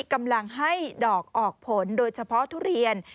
กำลังให้ดอกออกผลโดยเฉพาะทุเรียน